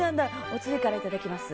おつゆからいただきます。